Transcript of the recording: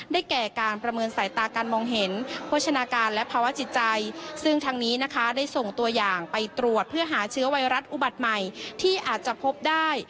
แก่การประเมินสายตาการมองเห็นโภชนาการและภาวะจิตใจซึ่งทางนี้นะคะได้ส่งตัวอย่างไปตรวจเพื่อหาเชื้อไวรัสอุบัติใหม่ที่อาจจะพบได้